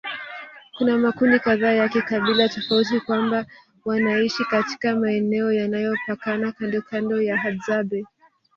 Kuna makundi kadhaa ya kikabila tofauti kwamba wanaishi katika maeneo yanayopakana kandokando na Hadzabe